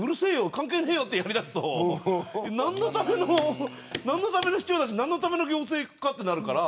関係ねえよとやりだすと何のための市長だし何のための行政かとなるから。